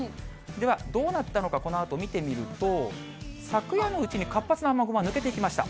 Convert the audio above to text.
ではどうなったのか、このあと見てみると、昨夜のうちに活発な雨雲は抜けていきました。